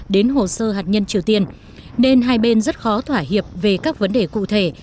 đến hồ sơ hạt nhân triều tiên nên hai bên rất khó thỏa hiệp về các vấn đề cụ thể